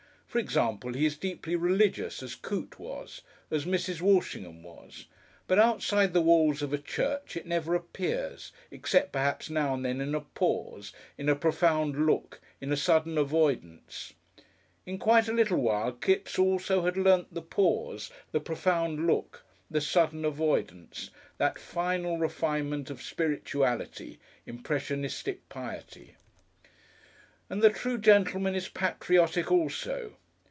For example, he is deeply religious, as Coote was, as Mrs. Walshingham was, but outside the walls of a church it never appears, except perhaps now and then in a pause, in a profound look, in a sudden avoidance. In quite a little while Kipps also had learnt the pause, the profound look, the sudden avoidance, that final refinement of spirituality, impressionistic piety. And the True Gentleman is patriotic also.